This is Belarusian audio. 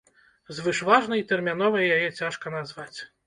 Звышважнай і тэрміновай яе цяжка назваць.